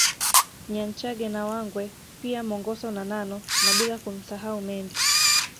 Nyanchage na Wangwe pia Mongoso na Nano na bila kumsahau Mendi